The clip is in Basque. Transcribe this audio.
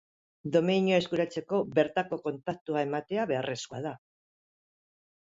Domeinua eskuratzea bertako kontaktua ematea beharrezkoa da.